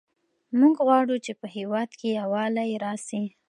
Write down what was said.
موږ غواړو چې په هېواد کې یووالی راسي.